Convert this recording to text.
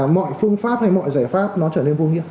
mọi phương pháp hay mọi giải pháp nó trở nên vô hiệu